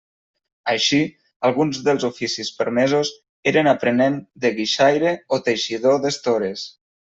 Així, alguns dels oficis permesos eren aprenent de guixaire o teixidor d'estores.